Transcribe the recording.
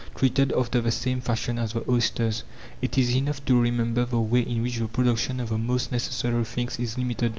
treated after the same fashion as the oysters. It is enough to remember the way in which the production of the most necessary things is limited.